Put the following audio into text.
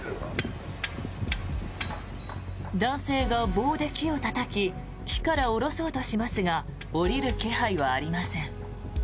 男性が棒で木をたたき木から下ろそうとしますが下りる気配はありません。